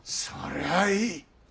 それはいい。